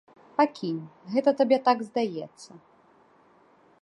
Пакінь, гэта табе так здаецца.